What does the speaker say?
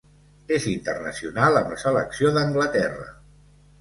És internacional amb la selecció d'Anglaterra.